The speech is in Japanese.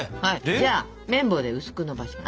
じゃあ麺棒で薄くのばします。